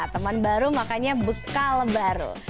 teman baru makanya bekal baru